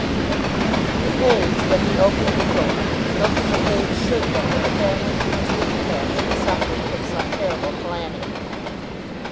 The page when he opened the door looked as a page should look when the family to which he is attached is suffering from some terrible calamity.